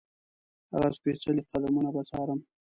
هغه سپېڅلي قدمونه به څارم.